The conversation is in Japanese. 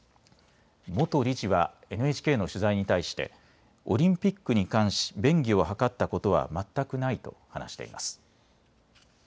元理事はＮＨＫの取材に対してオリンピックに関し便宜を図ったことは全くないと話しています。